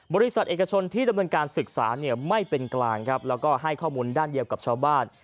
บริษัทเอกชนที่ดำเนินการศึกษาเนี่ยไม่เป็นกลางครับแล้วก็ให้ข้อมูลด้านเดียวกับชาวบ้าน